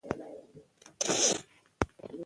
د کلیزو منظره د افغانستان د طبیعي پدیدو یو رنګ دی.